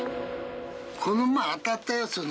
この前当たったよ。